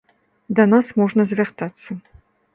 Да нас можна звяртацца.